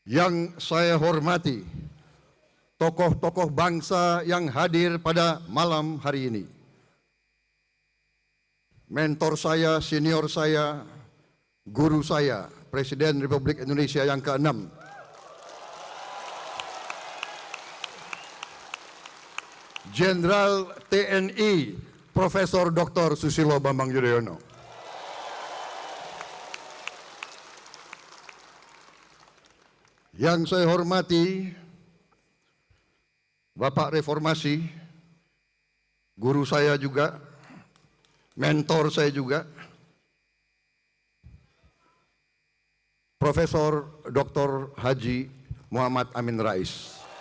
yang saya hormati bapak reformasi guru saya juga mentor saya juga prof dr haji muhammad amin rais